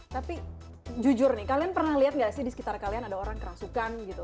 tapi jujur nih kalian pernah lihat nggak sih di sekitar kalian ada orang kerasukan gitu